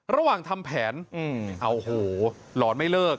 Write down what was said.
ระหว่างทำแผนโอ้โหหลอนไม่เลิก